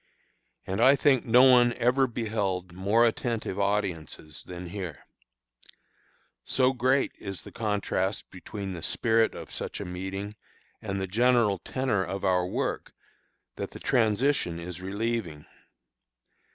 And I think no one ever beheld more attentive audiences than here. So great is the contrast between the spirit of such a meeting and the general tenor of our work, that the transition is relieving.